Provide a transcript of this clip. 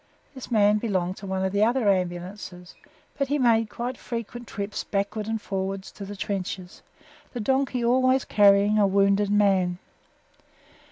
This man belonged to one of the other Ambulances, but he made quite frequent trips backwards and forwards to the trenches, the donkey always carrying a wounded man.